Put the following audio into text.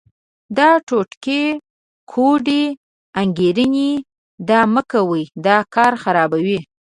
دا ټوټکې، کوډې، انګېرنې دا مه کوئ، دا کار خرابوي.